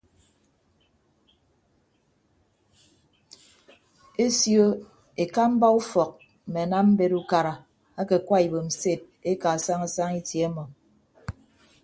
Esio ekamba ufọk mme anam mbet ukara ake akwa ibom sted ekaa saña saña itie ọmọ.